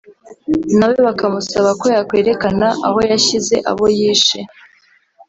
nawe bakamusaba ko yakwerekana aho yashyize abo yishe